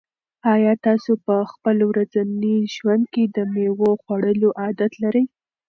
آیا تاسو په خپل ورځني ژوند کې د مېوو خوړلو عادت لرئ؟